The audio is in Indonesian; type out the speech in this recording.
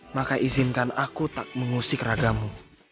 maka izinkan aku tak mengusik ragamu